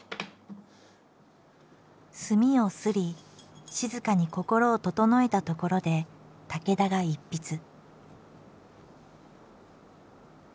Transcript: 墨をすり静かに心を整えたところで武田が一筆。